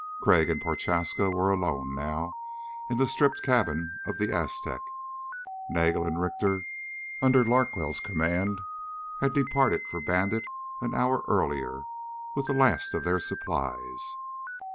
Crag and Prochaska were alone, now, in the stripped cabin of the Aztec. Nagel and Richter, under Larkwell's command, had departed for Bandit an hour earlier with the last of their supplies.